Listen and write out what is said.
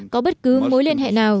có bất cứ mối liên hệ nào